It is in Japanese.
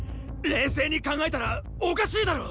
冷静に考えたらおかしいだろ。